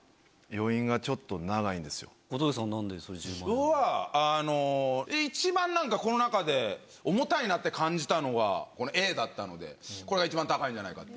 僕はあの一番この中で重たいなって感じたのがこのＡだったのでこれが一番高いんじゃないかって。